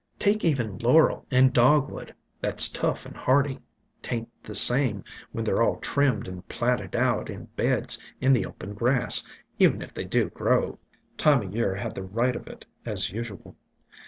Take even Laurel and Dogwood, that 's tough and hardy; 't ain't the same when they 're all trimmed and platted out in beds in the open grass, even if they do grow." Time o' Year had the right of it, as usual.